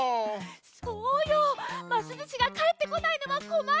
そうよますずしがかえってこないのはこまるわ！